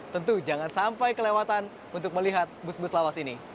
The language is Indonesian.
tentu jangan sampai kelewatan untuk melihat bus bus lawas ini